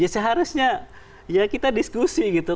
seharusnya kita diskusi